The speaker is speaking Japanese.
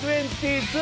２２。